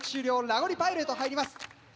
ラゴリパイルへ入ります。